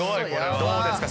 どうですか？